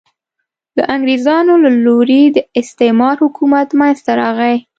د انګرېزانو له لوري د استعمار حکومت منځته راغی.